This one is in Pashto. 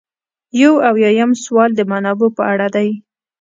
یو اویایم سوال د منابعو په اړه دی.